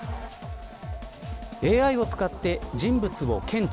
ＡＩを使って人物を検知。